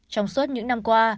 trong suốt những năm qua